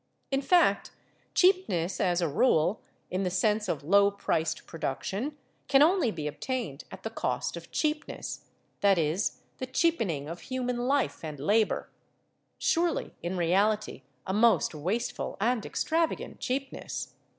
In fact, cheapness as a rule, in the sense of low priced production, can only be obtained at the cost of cheapness that is, the cheapening of human life and labour; surely, in reality, a most wasteful and extravagant cheapness!